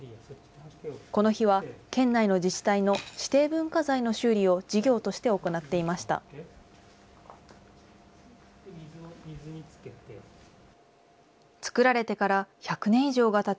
この日は、県内の自治体の指定文化財の修理を授業として行っていました。